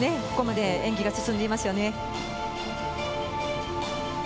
大変力強くここまで演技が進んでいますよね。